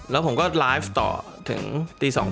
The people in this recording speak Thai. แล้วผมก็ไลฟ์ต่อถึงตี๒